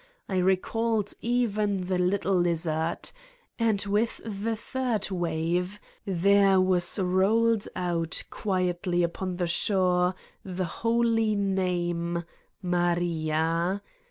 I recalled even the little lizzard I And with the third wave there was rolled out quietly upon the shore the holy name: Maria.